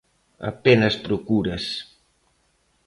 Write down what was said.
Apenas procuras.